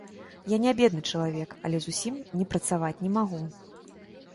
Я не бедны чалавек, але зусім не працаваць не магу.